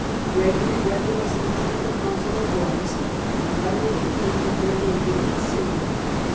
Gregory read the resolution of the Council of Worms and the letter of the king before the indignant synod.